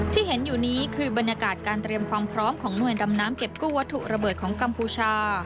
ที่เห็นอยู่นี้คือบรรยากาศการเตรียมความพร้อมของหน่วยดำน้ำเก็บกู้วัตถุระเบิดของกัมพูชา